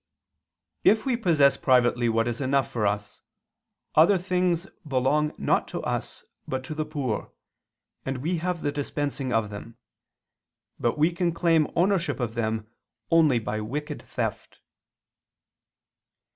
"If we possess privately what is enough for us, other things belong not to us but to the poor, and we have the dispensing of them; but we can claim ownership of them only by wicked theft."